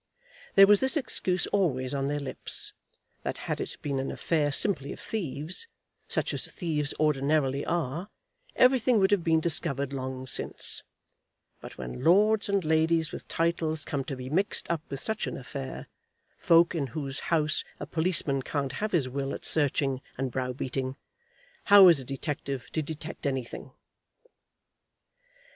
There was this excuse always on their lips, that had it been an affair simply of thieves, such as thieves ordinarily are, everything would have been discovered long since; but when lords and ladies with titles come to be mixed up with such an affair, folk in whose house a policeman can't have his will at searching and brow beating, how is a detective to detect anything?